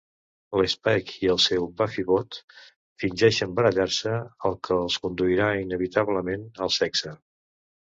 L'Spike i el seu Buffybot fingeixen barallar-se, el que els conduirà inevitablement al sexe.